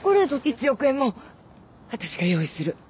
１億円も私が用意する。